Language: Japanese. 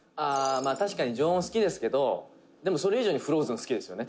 まあ確かに、常温好きですけどでも、それ以上にフローズン好きですよね？